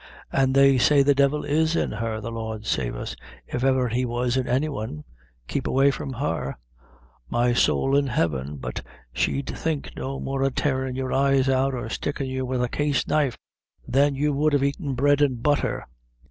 "An' they say the devil is in her, the Lord save us, if ever he was in any one keep away from her my sowl in Heaven! but she'd think no more of tearin' your eyes out, or stickin' you wid a case knife, than you would of aitin' bread an' butther."